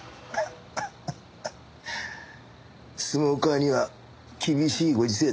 スモーカーには厳しいご時世です。